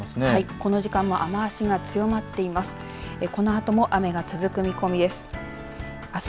この時間も雨足が強まっています。